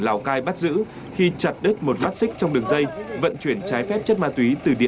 lào cai bắt giữ khi chặt đứt một mắt xích trong đường dây vận chuyển trái phép chất ma túy từ địa